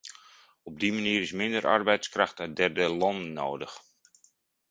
Op die manier is minder arbeidskracht uit derde landen nodig.